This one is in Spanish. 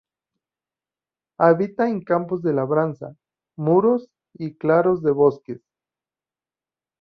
Habita en campos de labranza, muros y claros de bosques.